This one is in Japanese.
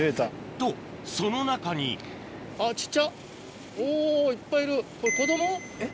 とその中におぉいっぱいいる。